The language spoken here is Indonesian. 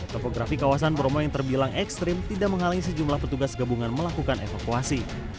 topografi kawasan bromo yang terbilang ekstrim tidak menghalangi sejumlah petugas gabungan melakukan evakuasi